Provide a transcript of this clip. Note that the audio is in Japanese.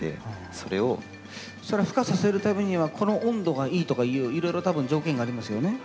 それふ化させるためにはこの温度がいいとかいういろいろ多分条件がありますよね？